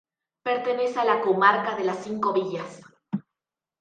Pertenece a la comarca de las Cinco Villas.